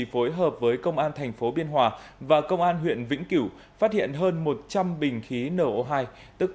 phối hợp với công an thành phố biên hòa và công an huyện vĩnh cửu phát hiện hơn một trăm linh bình khí no hai tức